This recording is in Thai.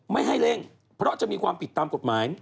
ไม่ให้เร่งเพราะจะมีความผิดตามกฎหมาย